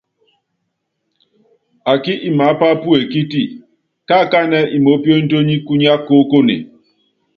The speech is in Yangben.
Ákí imaápa puekíti, káakánɛ́ imoópionítóní kunyá koókone.